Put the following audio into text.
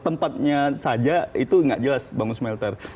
tempatnya saja itu nggak jelas bangun smelter